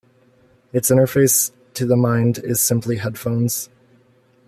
Its interface to the mind is simply headphones.